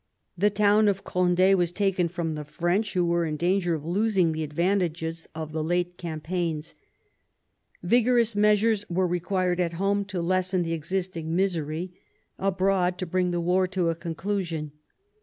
The town of Cond6 was taken from the French, who were in danger of losing the advantages of the late campaigns. Vigorous measures were required at home to lessen the existing misery ; abroad, to bring the war to a conclusion.